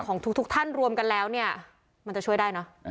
ของทุกท่านรวมกันแล้วเนี่ยมันจะช่วยได้เนอะ